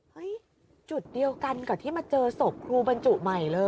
จุดเดียวกันกับที่มาเจอศพครูบรรจุใหม่เลย